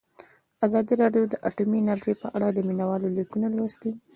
ازادي راډیو د اټومي انرژي په اړه د مینه والو لیکونه لوستي.